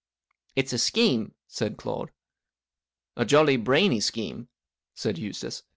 " It's a scheme," said Claude. "A jolly brainy scheme," said Eustace.